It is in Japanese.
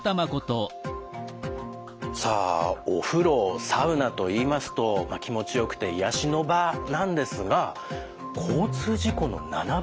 さあお風呂サウナといいますと気持ちよくて癒やしの場なんですが交通事故の７倍。